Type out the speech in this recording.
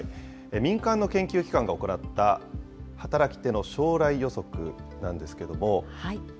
民間の研究機関が行った、働き手の将来予測なんですけれども。